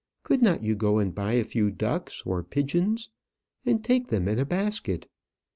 Could not you go and buy a few ducks, or pigeons, and take them in a basket?